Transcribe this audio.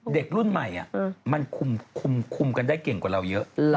เด็กรุ่นใหม่มันคุมกันได้เก่งกว่าเราเยอะ